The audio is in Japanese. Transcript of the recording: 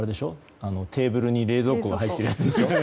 テーブルに冷蔵庫が入ってるやつでしょ？